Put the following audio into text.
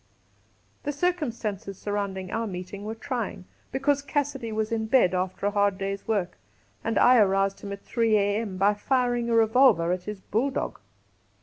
The circumstances surrounding our meeting were trying, because Cassidy was in bed after a hard day's work, and I aroused him at 3 a.m. by firing a revolver at his bulldog.